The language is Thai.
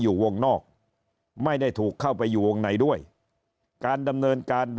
อยู่วงนอกไม่ได้ถูกเข้าไปอยู่วงในด้วยการดำเนินการ